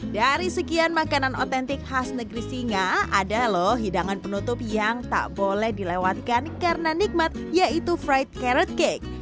dari sekian makanan otentik khas negeri singa ada loh hidangan penutup yang tak boleh dilewatkan karena nikmat yaitu fright carrot cake